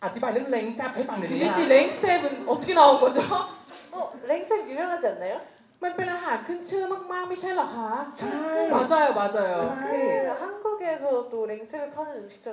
แต่ก็ไม่เคยมีแรงแซ